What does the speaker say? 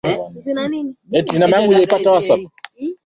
Jacob aliegesha gari karibu na nyumba ya wapngaji wengi